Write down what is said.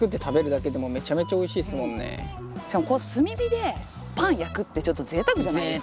しかも炭火でパン焼くってちょっとぜいたくじゃないですか。